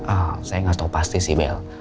ah saya gak tau pasti sih bel